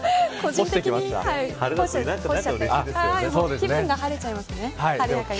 気分が晴れちゃいますね。